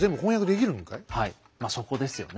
はいそこですよね。